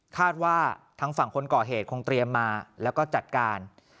คาดว่าทางฝั่งคนก่อเหตุคงเตรียมมาแล้วก็จัดการ